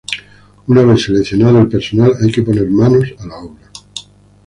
Una vez seleccionado el personal hay que poner manos a la obra.